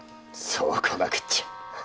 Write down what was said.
そうこなくっちゃ！